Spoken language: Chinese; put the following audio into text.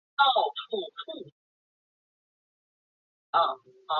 擅长在树上攀援。